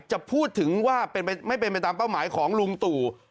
จะพูดถึงว่าไม่เป็นไปตามเป้าหมายของลุงตู่